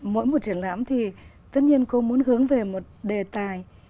mỗi một triển lãm thì tất nhiên cô muốn hướng về một đề tài